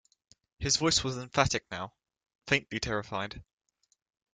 His voice was emphatic now, faintly terrified.